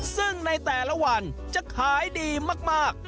ซึ่งในแต่ละวันจะขายดีมาก